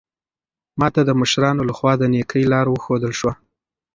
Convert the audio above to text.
ما ته د مشرانو لخوا د نېکۍ لار وښودل شوه.